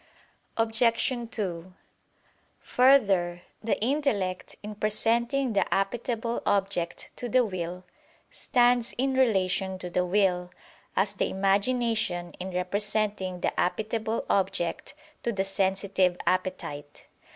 Obj. 2: Further, the intellect in presenting the appetible object to the will, stands in relation to the will, as the imagination in representing the appetible object to the sensitive appetite.